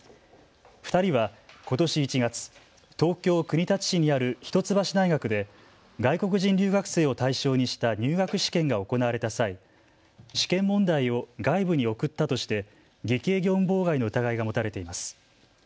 ２人はことし１月東京国立市にある一橋大学で外国人留学生を対象にした入学試験が行われた際、試験問題を外部に送ったとして偽計業務妨害の疑いが持たれています。